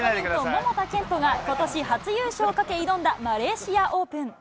桃田賢斗がことし初優勝をかけ、挑んだマレーシアオープン。